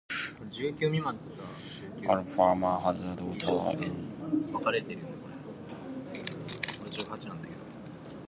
Abraham has a daughter, Endraya.